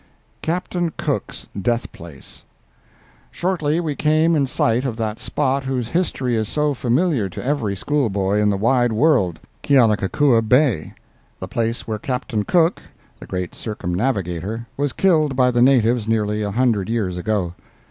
CAPTAIN COOK'S DEATH PLACE Shortly we came in sight of that spot whose history is so familiar to every schoolboy in the wide world—Kealakekua Bay—the place where Captain Cook, the great circumnavigator, was killed by the natives nearly a hundred years ago.